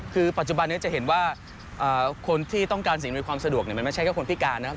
คือปัจจุบันเนี่ยจะเห็นว่าคนที่ต้องการสิ่งในความสะดวกเนี่ยมันใช้แค่คนพิการนะครับ